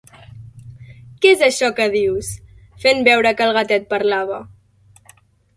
"Què és això que dius?", fent veure que el gatet parlava.